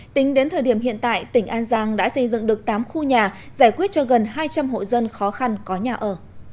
tính đến thời điểm hiện tại tỉnh an giang đã xây dựng được tám khu nhà giải quyết cho gần hai trăm linh hộ dân khó khăn có nhà ở